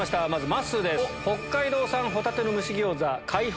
まっすーです。